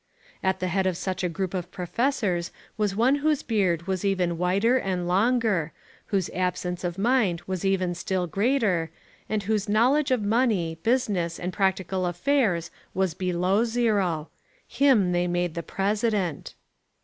At the head of such a group of professors was one whose beard was even whiter and longer, whose absence of mind was even still greater, and whose knowledge of money, business, and practical affairs was below zero. Him they made the president.